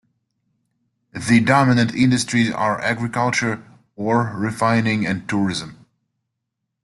The dominant industries are agriculture, ore refining, and tourism.